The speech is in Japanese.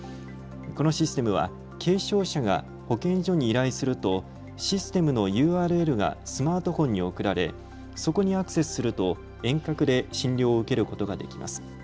このシステムは軽症者が保健所に依頼するとシステムのＵＲＬがスマートフォンに送られそこにアクセスすると遠隔で診療を受けることができます。